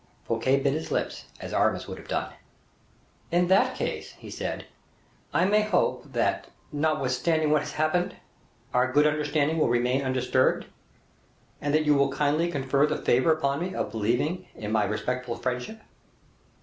Fouquet bit his lips, as Aramis would have done. "In that case," he said, "I may hope, that, notwithstanding what has happened, our good understanding will remain undisturbed, and that you will kindly confer the favor upon me of believing in my respectful friendship."